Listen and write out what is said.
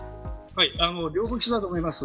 両方必要だと思います。